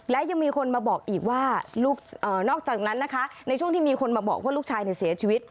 และยังมีคนมาบอกอีกว่านอกจากนั้นนะคะในช่วงที่มีคนมาบอกว่าลูกชายเสียชีวิต